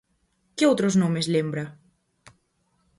Que outros nomes lembra?